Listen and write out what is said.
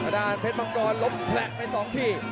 ประดานเพชรมังกรลบแผลกไป๒ที